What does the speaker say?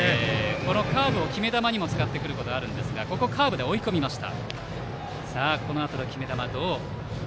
このカーブを決め球にも使ってくることがありますがここはカーブで追い込みました。